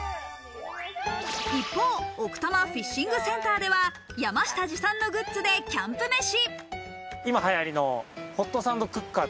一方、奥多摩フィッシングセンターでは、山下持参のグッズでキャンプ飯。